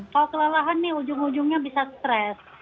kalau kelelahan ini ujung ujungnya bisa stress